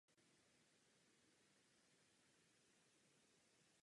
Hlavní sál byl také několikrát využit jako výstavní prostor.